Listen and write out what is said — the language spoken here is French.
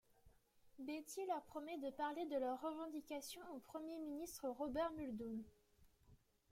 Beattie leur promet de parler de leurs revendications au Premier ministre Robert Muldoon.